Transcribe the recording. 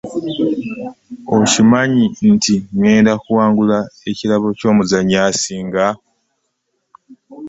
Okimanyi nti ngenda kuwangula ekirabo ky'omuzanyi asinga.